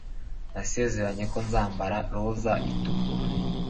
nasezeranye ko nzambara roza itukura